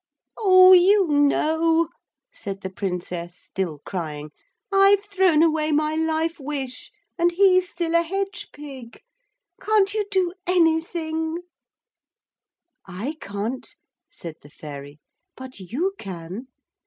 'Oh, you know,' said the Princess, still crying. 'I've thrown away my life wish, and he's still a hedge pig. Can't you do anything!' 'I can't,' said the Fairy, 'but you can.